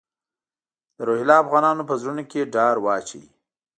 د روهیله افغانانو په زړونو کې ډار واچوي.